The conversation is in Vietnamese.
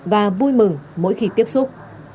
và vui mừng mỗi khi tiếp xúc